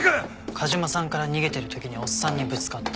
梶間さんから逃げてる時におっさんにぶつかった。